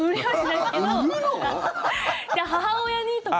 いや、母親にとか。